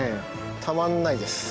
たまんないです。